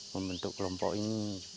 pembangunan berkompensasi berupa hewan ternak